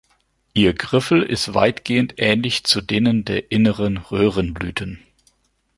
Ihr Griffel ist weitgehend ähnlich zu denen der inneren Röhrenblüten.